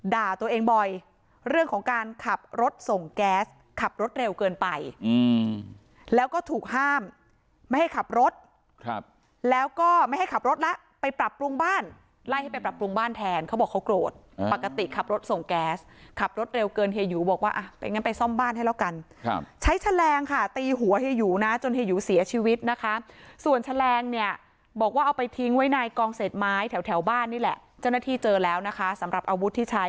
ด่าตัวเองบ่อยเรื่องของการขับรถส่งแก๊สขับรถเร็วเกินไปแล้วก็ถูกห้ามไม่ให้ขับรถแล้วก็ไม่ให้ขับรถแล้วไปปรับปรุงบ้านไล่ให้ไปปรับปรุงบ้านแทนเขาบอกเขากรดปกติขับรถส่งแก๊สขับรถเร็วเกินเฮยูบอกว่าไปยังงั้นไปซ่อมบ้านให้แล้วกันใช้แฉลงค่ะตีหัวเฮยูนะจนเฮยูเสียชีวิตนะคะส่วนแฉลงเนี่ย